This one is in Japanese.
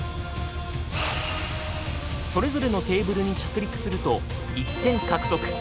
それぞれのテーブルに着陸すると１点獲得。